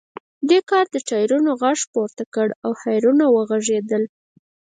دې کار د ټایرونو غږ پورته کړ او هارنونه وغږیدل